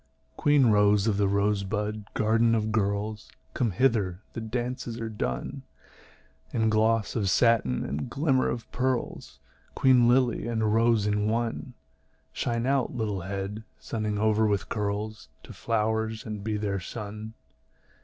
Queen rose of the rosebud garden of girls, Come hither, the dances are done, In gloss of satin and glimmer of pearls, Queen lily and rose in one; Shine out, little head, sunning over with curls, To the flowers, and be their sun.